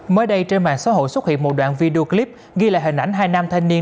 mới đây trên mạng xã hội xuất hiện một đoạn video clip ghi lại hình ảnh hai nam thanh niên